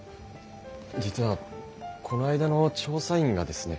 実はこないだの調査委員がですね